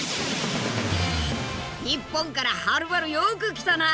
日本からはるばるよく来たな！